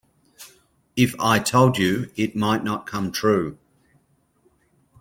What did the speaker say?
If I told you it might not come true.